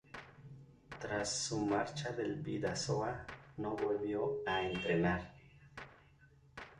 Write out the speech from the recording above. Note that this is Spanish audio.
Tras su marcha del Bidasoa, no volvió a entrenar.